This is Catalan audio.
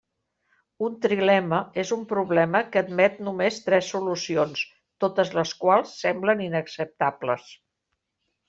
Un trilema és un problema que admet només tres solucions, totes les quals semblen inacceptables.